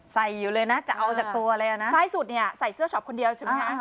อยู่เลยนะจะเอาจากตัวเลยนะซ้ายสุดเนี่ยใส่เสื้อช็อปคนเดียวใช่ไหมคะ